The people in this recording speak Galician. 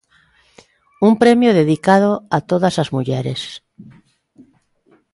Un premio dedicado a todas as mulleres.